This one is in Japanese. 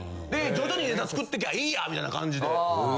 徐々にネタ作ってきゃいいやみたいな感じで。